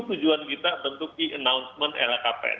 tujuan kita bentuk e announcement lhkpn